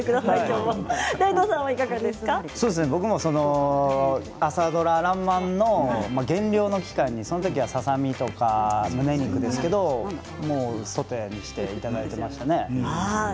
僕も朝ドラ「らんまん」の減量の期間にその時はささ身とかむね肉ですけどそういったものを食べていました。